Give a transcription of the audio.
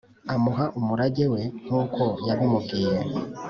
Amuha umurage we nk’uko yabimubwiye